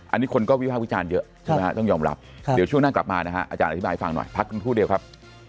อันนี้คนก็วิภาควิจารณ์เยอะใช่ไหมฮะต้องยอมรับเดี๋ยวช่วงหน้ากลับมานะฮะอาจารย์อธิบายฟังหน่อยพักกันครู่เดียวครับ